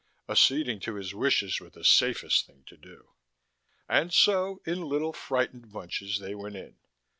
Acceding to his wishes was the safest thing to do. And so, in little, frightened bunches, they went in.